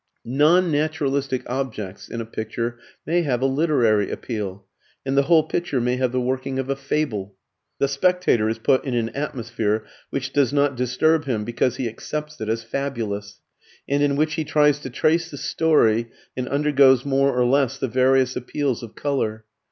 Non naturalistic objects in a picture may have a "literary" appeal, and the whole picture may have the working of a fable. The spectator is put in an atmosphere which does not disturb him because he accepts it as fabulous, and in which he tries to trace the story and undergoes more or less the various appeals of colour.